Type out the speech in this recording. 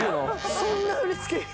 そんな振り付け入れる？